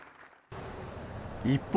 一方、